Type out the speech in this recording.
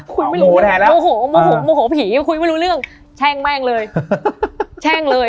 คุณไม่รู้โมโหโมโหโมโหผีคุยไม่รู้เรื่องแช่งแม่งเลยแช่งเลย